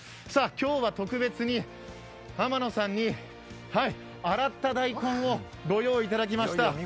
今日は特別に天野さんに洗った大根をご用意いただきました。